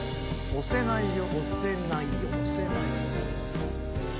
「おせないよ」。